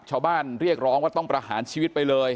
ชาวบ้านเรียกร้องว่าต้องประหารชีวิตไปเลย